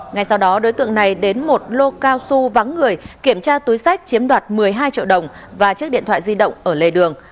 ngay sau đó đối tượng này đến một lô cao su vắng người kiểm tra túi sách chiếm đoạt một mươi hai triệu đồng và chiếc điện thoại di động ở lề đường